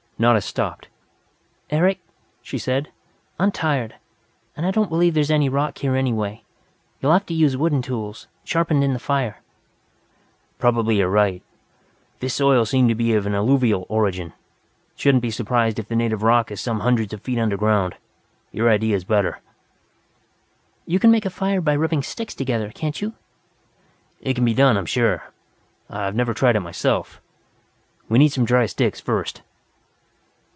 Nada stopped. "Eric," she said, "I'm tired. And I don't believe there's any rock here, anyway. You'll have to use wooden tools, sharpened in the fire." "Probably you're right. This soil seemed to be of alluvial origin. Shouldn't be surprised if the native rock is some hundreds of feet underground. Your idea is better." "You can make a fire by rubbing sticks together, can't you?" "It can be done, I'm sure. I've never tried it, myself. We need some dry sticks, first."